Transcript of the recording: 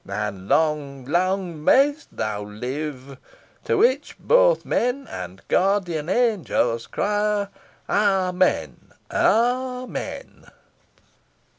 And long, long mayst thou live! To which both men And guardian angels cry "Amen! amen!"